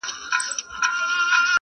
ته خبريې دلته ښخ ټول انسانان دي,